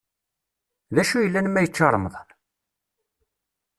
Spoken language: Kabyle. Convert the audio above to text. D acu yellan ma yečča remṭan!